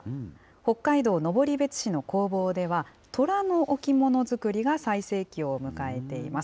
北海道登別市の工房では、とらの置物作りが最盛期を迎えています。